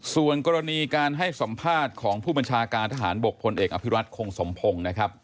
ส่วนกรณีการให้สัมภาษณ์ของผู้บัญชาการทหารบกพลเอกอภิรัตคงสมพงศ์นะครับ